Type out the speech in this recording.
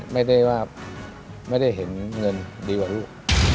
ไม่ได้ว่าไม่ได้เห็นเงินดีกว่าลูก